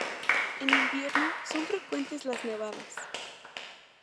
En invierno, son frecuentes las nevadas.